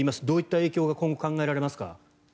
どういった影響が今後考えられますか？